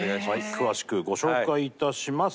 詳しくご紹介いたします。